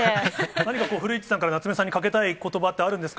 何かこう、古市さんから夏目さんにかけたいことばってあるんですか？